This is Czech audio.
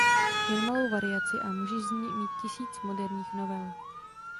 Jen malou variaci, a můžeš z ní mít tisíc moderních novel.